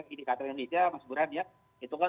ini kata indonesia mas buran ya hitungkan